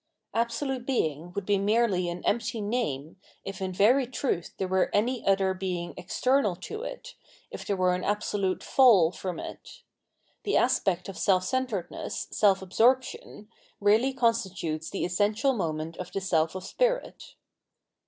Absolute Being would be merely an empty name if in very truth there were any other being external to it, if there were an absolute " fall " fcom it. The aspect of self centredness, self absorption, really constitutes the essential moment of the self of Spirit.